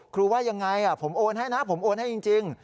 ว่ายังไงผมโอนให้นะผมโอนให้จริง